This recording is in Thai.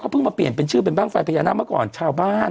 เพิ่งมาเปลี่ยนเป็นชื่อเป็นบ้างไฟพญานาคเมื่อก่อนชาวบ้าน